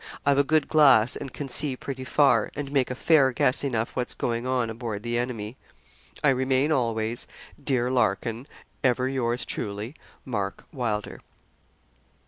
I've a good glass, and can see pretty far, and make a fair guess enough what's going on aboard the enemy. 'I remain always, 'Dear Larkin, 'Ever yours truly, 'MARK WYLDER.'